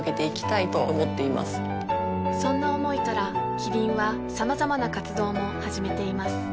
そんな思いからキリンはさまざまな活動も始めています